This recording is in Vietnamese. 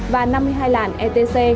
và năm mươi hai làn etc